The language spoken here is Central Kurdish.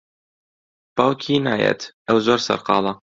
باوکی نایەت، ئەو زۆر سەرقاڵە.